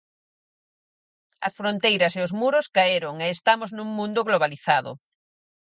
As fronteiras e os muros caeron e estamos nun mundo globalizado.